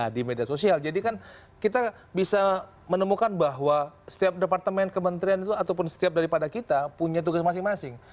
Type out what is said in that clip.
kita harus memiliki perkembangan yang baik karena dengan ini kita bisa menemukan bahwa kita bisa menemukan bahwa setiap kabin kementerian itu ataupun setiap daripada kita punya tugas masing masing